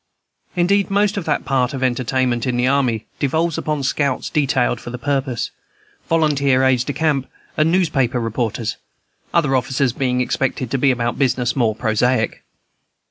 Indeed, most of that sort of entertainment in the army devolves upon scouts detailed for the purpose, volunteer aides de camp and newspaper reporters, other officers being expected to be about business more prosaic.